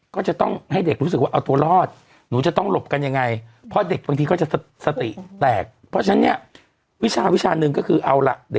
ก็จะต้องให้เด็กรู้สึกว่าเอาตัวรอด